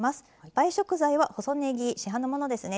映え食材は細ねぎ市販のものですね。